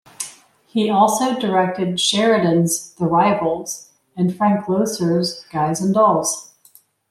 He also directed Sheridan's "The Rivals" and Frank Loesser's "Guys and Dolls".